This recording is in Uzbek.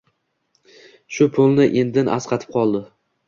Shu pul endn asqatib qoldi.